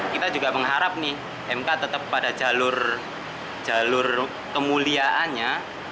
kita juga mengharap nih mk tetap pada jalur kemuliaannya